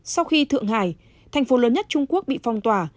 sau khi thượng hải thành phố lớn nhất trung quốc bị phong tỏa